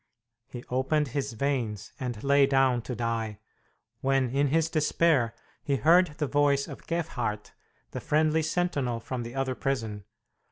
He opened his veins and lay down to die, when in his despair he heard the voice of Gefhardt, the friendly sentinel from the other prison.